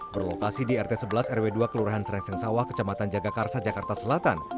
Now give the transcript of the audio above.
berlokasi di rt sebelas rw dua kelurahan serengseng sawah kecamatan jagakarsa jakarta selatan